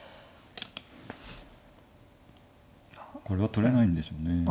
これは取れないんでしょうね。